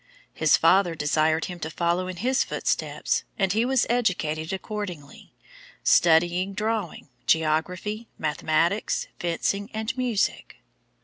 His father desired him to follow in his footsteps, and he was educated accordingly, studying drawing, geography, mathematics, fencing, and music.